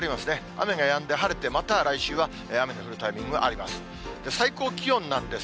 雨がやんで晴れて、また来週は雨の降るタイミングがあります。